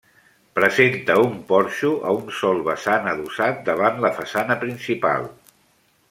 Presenta un porxo a un sol vessant adossat davant la façana principal.